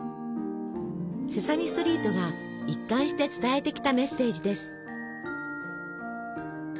「セサミストリート」が一貫して伝えてきたメッセージです。